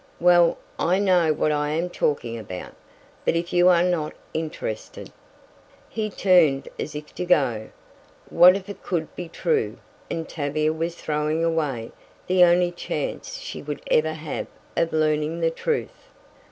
Well, I know what I am talking about. But if you are not interested " He turned as if to go. What if it could be true, and Tavia was throwing away the only chance she would ever have of learning the truth?